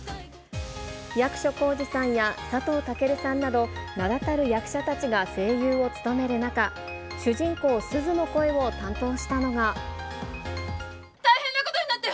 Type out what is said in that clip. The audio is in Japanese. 役所広司さんや佐藤健さんなど、名だたる役者たちが声優を務める中、主人公、すずの声を担当した大変なことになったよ！